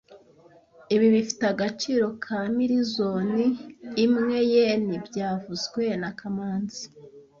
Ibi bifite agaciro ka milizooni imwe yen byavuzwe na kamanzi